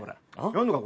やんのか？